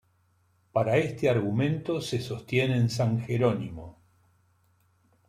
Para este argumento se sostiene en San Jerónimo.